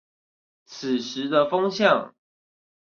此時的風向